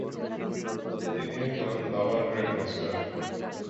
তিনি একজন দাবার গ্র্যান্ডমাস্টার।